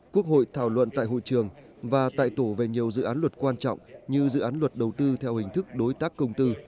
quốc hội thảo luận tại hội trường và tại tổ về nhiều dự án luật quan trọng như dự án luật đầu tư theo hình thức đối tác công tư